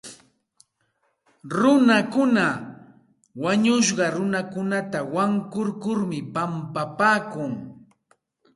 Runakuna wañushqa runakunata wankurkurmi pampapaakun.